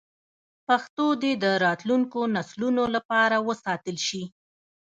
پښتو دې د راتلونکو نسلونو لپاره وساتل شي.